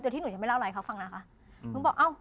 เดี๋ยวที่หนูจะไปเล่าอะไรเขาฟังนะคะ